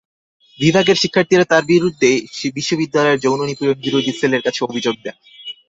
বিভাগের শিক্ষার্থীরা তাঁর বিরুদ্ধে বিশ্ববিদ্যালয়ের যৌন নিপীড়ন-বিরোধী সেলের কাছে অভিযোগ দেন।